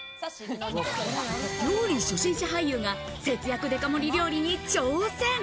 料理初心者俳優が節約デカ盛り料理に挑戦。